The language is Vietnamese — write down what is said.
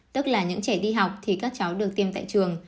tức là những trẻ đi học thì các cháu được tiêm tại trường